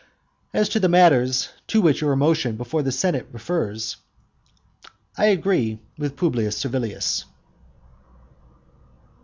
As to the matters to which your motion before the senate refers, I agree with Publius Servilius.